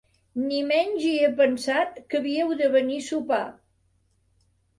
Ni menys hi he pensat, que havíeu de venir a sopar!